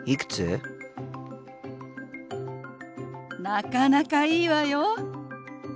なかなかいいわよ。